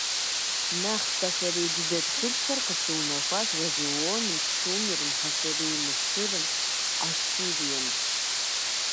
Нэхъ пасэрей дыдэ тхылъхэр къыщыунэхуащ Вавилоным, Шумерым, Пасэрей Мысырым, Ассирием.